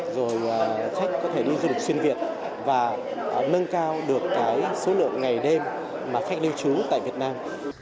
rồi khách có thể đi du lịch xuyên việt và nâng cao được cái số lượng ngày đêm mà khách lưu trú tại việt nam